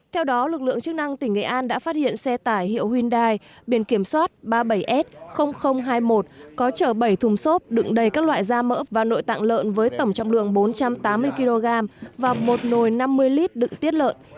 theo đó lực lượng chức năng tỉnh nghệ an đã phát hiện xe tải hiệu hyundai biển kiểm soát ba mươi bảy s hai mươi một có chở bảy thùng xốp đựng đầy các loại da mỡ và nội tạng lợn với tổng trọng lượng bốn trăm tám mươi kg và một nồi năm mươi lít đựng tiết lợn